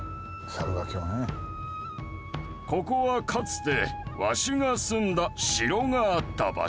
ここはかつてわしが住んだ城があった場所。